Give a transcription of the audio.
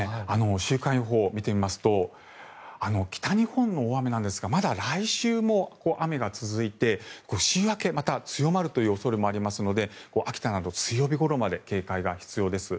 週間予報を見てみますと北日本の大雨なんですがまだ来週も雨が続いて週明けまた強まるという恐れもありますので秋田など、水曜日ごろまで警戒が必要です。